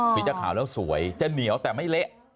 จะขาวแล้วสวยจะเหนียวแต่ไม่เละ